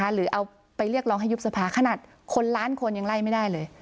หรือเอาไปเรียกร้องให้ยุบสภาขนาดคนล้านคนยังไล่ไม่ได้เลย